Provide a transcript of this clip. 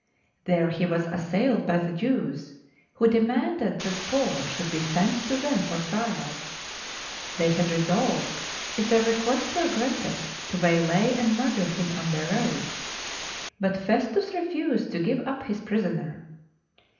There he was assailed by the Jews, who demanded that Paul should be sent to them for trial. They had resolved, if their request were granted, to waylay and murder him on the; road; but LIFE OF ST. PAUL Festus refused to give up his prisoner.